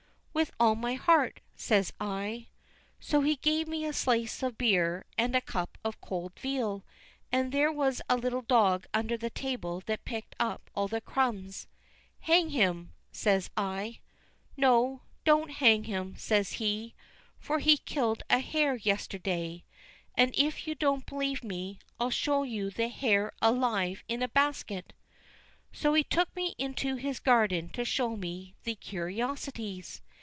"With all my heart," says I. So he gave me a slice of beer, and a cup of cold veal; and there was a little dog under the table that picked up all the crumbs. "Hang him," says I. "No, don't hang him," says he; "for he killed a hare yesterday. And if you don't believe me, I'll show you the hare alive in a basket." So he took me into his garden to show me the curiosities.